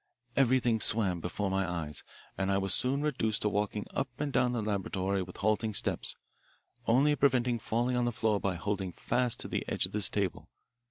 Everything swam before my eyes, and I was soon reduced to walking up and down the laboratory with halting steps, only preventing falling on the floor by holding fast to the edge of this table.